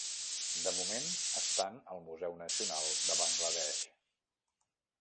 De moment estan al Museu Nacional de Bangla Desh.